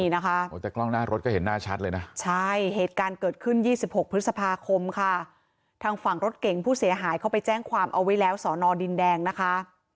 หลังรถจักรยานยนต์ดินแดงนะคะ